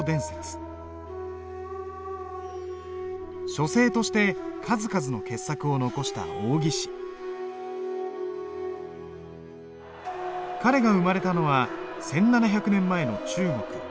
書聖として数々の傑作を残した彼が生まれたのは１，７００年前の中国東晋。